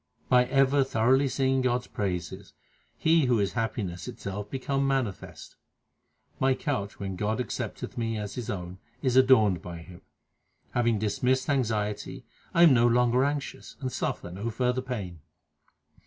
By ever thoroughly singing God s praises, He who is happiness itself becometh manifest. My couch, when God accepteth me as His own, is adorned by Him. Having dismissed anxiety I am no longer anxious, and suffer no further pain.